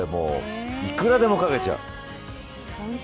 いくらでもかけちゃう。